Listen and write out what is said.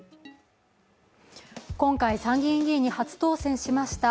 今回、参議院議員に初当選しました